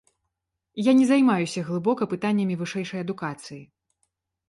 Я не займаюся глыбока пытаннямі вышэйшай адукацыі.